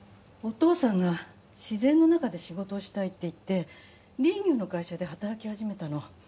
お父さんが自然の中で仕事をしたいって言って林業の会社で働きはじめたの。